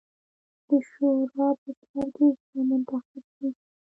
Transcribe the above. د شورا په سر کې به منتخب رییس وي.